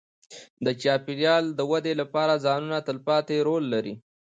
د چاپېریال د ودې لپاره ځوانان تلپاتې رول لري.